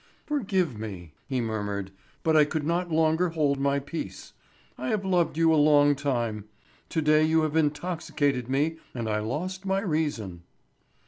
"Forgive me," he murmured, "but I could not longer hold my peace. I have loved you a long time. To day you have intoxicated me and I lost my reason."